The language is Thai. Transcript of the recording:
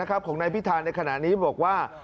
ของนายพิธาร์ในขณะนี้คือ